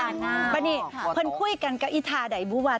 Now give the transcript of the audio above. เพราะว่าพี่จิตเป็นคนหยั่นเหลือหยั่นหน้า